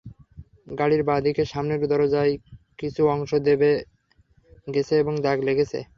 গাড়ির বাঁ দিকের সামনের দরজার কিছু অংশ দেবে গেছে এবং দাগ লেগেছে।